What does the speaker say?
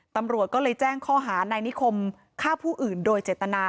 ตำรวจก็เลยแจ้งข้อหานายนิคมฆ่าผู้อื่นโดยเจตนา